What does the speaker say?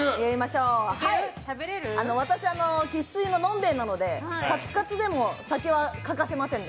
私生粋の飲んべえなのでカツカツでも酒は欠かせませんね。